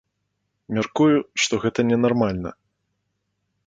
Мяркую, што гэта не нармальна.